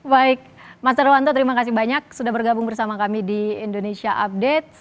baik mas herwanto terima kasih banyak sudah bergabung bersama kami di indonesia update